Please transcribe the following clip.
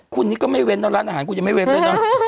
คุณนี้ก็ไม่เว้นร้านอาหารกูยังไม่เว้นเลย